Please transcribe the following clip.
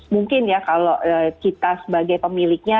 mungkin ya kalau kita sebagai pemiliknya